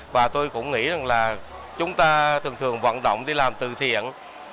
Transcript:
và tôi cũng nghĩ rằng là chúng ta thường thường vận động đi làm từ thiện